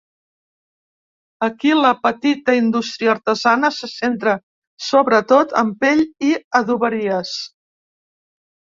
Aquí la petita indústria artesana se centra sobretot en pell i adoberies.